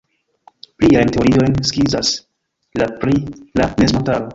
Pliajn teoriojn skizas la pri la mezmontaro.